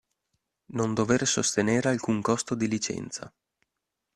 Non dover sostenere alcun costo di licenza.